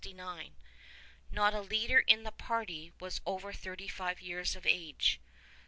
Not a leader in the party was over thirty five years of age.